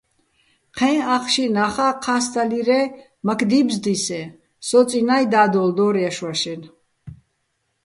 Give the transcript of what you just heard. ჴეჼ ახში ნახა́ ჴასდალირე́ მაქ დიბზდისეჼ, სო́წინაჲ და́დოლ დო́რ ჲაშო̆-ვაშენ.